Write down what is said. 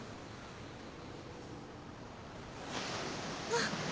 あっ。